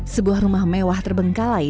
sebuah rumah mewah terbengkalai